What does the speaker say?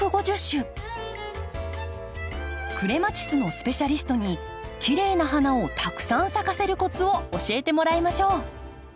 クレマチスのスペシャリストにきれいな花をたくさん咲かせるコツを教えてもらいましょう。